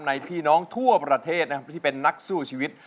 พี่น้องทั่วประเทศนะครับที่เป็นนักสู้ชีวิต